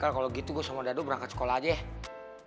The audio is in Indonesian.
kalau gitu gue sama dadu berangkat sekolah aja